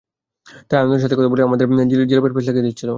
তাই তার আনন্দের কথা বলে বলে আমাদের মাথায় জিলাপির প্যাঁচ লাগিয়ে দিচ্ছিল।